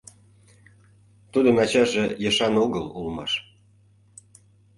Тудын ачаже ешан огыл улмаш.